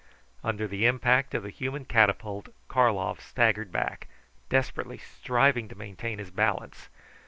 Under the impact of the human catapult Karlov staggered back, desperately striving to maintain his balance.